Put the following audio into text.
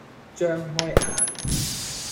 張開眼，